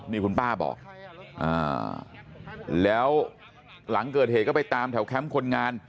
นี่คุณป้าบอกแล้วหลังเกิดเหตุก็ไปตามแถวแคมป์คนงาน